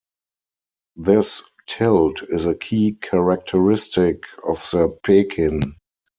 This 'tilt' is a key characteristic of the Pekin.